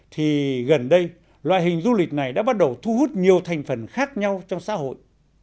thì gần đây loại hình du lịch này đã bắt đầu thu hút nhiều thành phần khác nhau trong xã hội